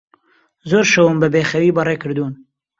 زۆر شەوم بەبێخەوی بەڕێ کردوون.